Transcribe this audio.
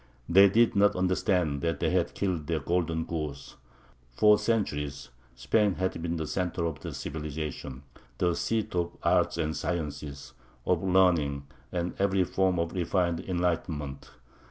They did not understand that they had killed their golden goose. For centuries Spain had been the centre of civilization, the seat of arts and sciences, of learning, and every form of refined enlightenment.